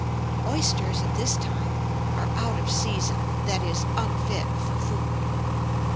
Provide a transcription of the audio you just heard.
Oysters, at this time, are "out of season" that is, unfit for food.